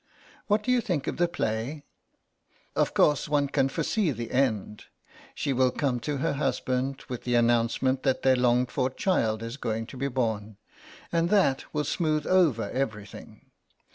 What do you think of the play? Of course one can foresee the end; she will come to her husband with the announcement that their longed for child is going to be born, and that will smooth over everything.